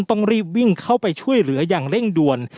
ต้องรีบวิ่งเข้าไปช่วยเหลืออย่างเร่งด่วน